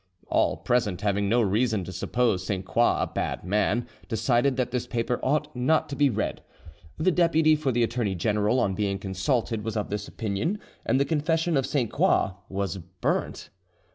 All present, having no reason to suppose Sainte Croix a bad man, decided that this paper ought not to be read. The deputy for the attorney general on being consulted was of this opinion, and the confession of Sainte Croix was burnt.